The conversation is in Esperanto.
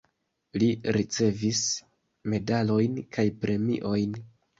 Li ricevis medalojn kaj premiojn.